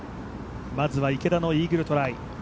まずは池田のイーグルトライ。